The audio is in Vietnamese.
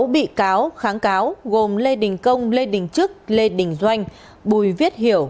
sáu bị cáo kháng cáo gồm lê đình công lê đình trức lê đình doanh bùi viết hiểu